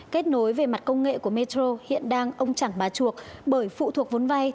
kết nối về mặt công nghệ của metro hiện đang ông chẳng bà chuộc bởi phụ thuộc vốn vay